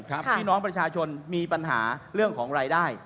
พี่น้องประชาชนมีปัญหาเรื่องของรายได้